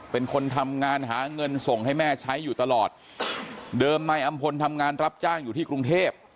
เป็นคนทำงานหาเงินส่งให้แม่ใช้อยู่ตลอดเดิมนายอำพลทำงานรับจ้างอยู่ที่กรุงเทพ